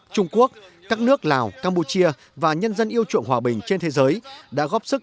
trung quốc các nước lào campuchia và nhân dân yêu chuộng hòa bình trên thế giới đã góp sức